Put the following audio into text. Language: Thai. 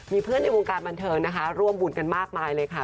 มีเพื่อนในวงการบันเทิงนะคะร่วมบุญกันมากมายเลยค่ะ